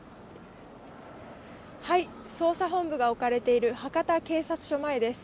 捜査本部が置かれている博多警察署前です。